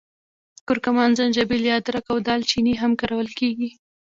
کورکمن، زنجبیل یا ادرک او دال چیني هم کارول کېږي.